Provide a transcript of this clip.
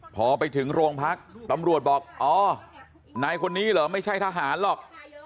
พอไปถึงโรงพักตำรวจบอกอ๋อนายคนนี้เหรอไม่ใช่ทหารหรอก